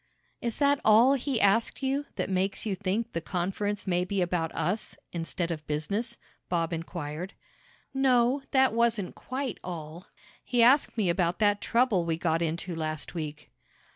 "Is that all he asked you that makes you think the conference may be about us, instead of business?" Bob inquired. "No, that wasn't quite all. He asked me about that trouble we got into last week."